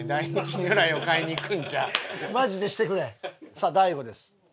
さあ大悟です。